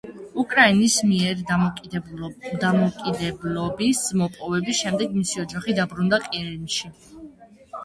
უკრაინის მიერ დამოუკიდებლობის მოპოვების შემდეგ, მისი ოჯახი დაბრუნდა ყირიმში.